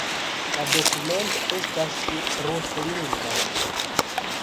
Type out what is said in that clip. La dokumento estas ruslingva.